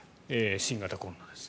新型コロナです。